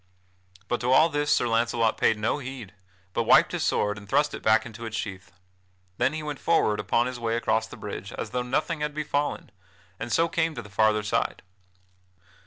But to all this Sir Launcelot paid no heed, but wiped his sword and thrust it back into its sheath. Then he went forward upon his way across the bridge as though nothing had befallen, and so came to the farther side.